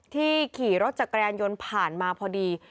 ขี่รถจักรยานยนต์ผ่านมาพอดี